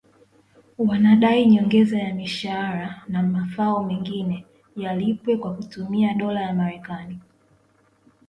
wanadai nyongeza ya mishahara na mafao mengine yalipwe kwa kutumia dola ya Marekani